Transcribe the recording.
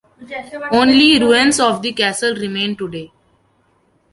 Only ruins of the castle remain today.